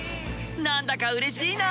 何だかうれしいな。